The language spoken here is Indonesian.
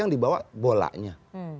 yang dibawa bolanya